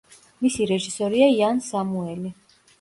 მისი რეჟისორია იან სამუელი.